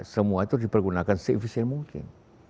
semua itu dipergunakan se efisien mungkin